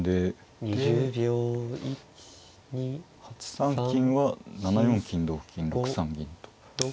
８三金は７四金同金６三銀と。